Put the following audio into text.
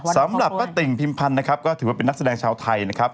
สำหรับป้าติ่งพิมพันธ์นะครับก็ถือว่าเป็นนักแสดงชาวไทยนะครับ